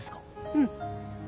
うん。